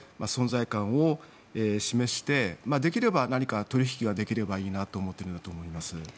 存在感を示してできれば何か取引ができればいいなと思ってるんだと思います。